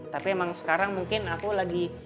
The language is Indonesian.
tapi emang sekarang mungkin aku lagi